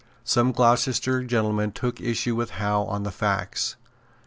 Some Gloucestershire gentlemen took issue with Howe on the facts.